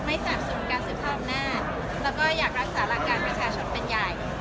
ไม่สะสมการสืบความหน้าแล้วก็อยากรักษาแล้วการชนเป็นใหญ่